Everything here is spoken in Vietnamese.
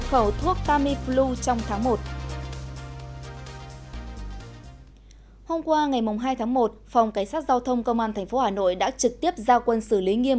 hôm qua ngày hai tháng một phòng cảnh sát giao thông công an tp hà nội đã trực tiếp giao quân xử lý nghiêm